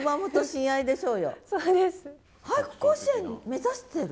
甲子園目指してる？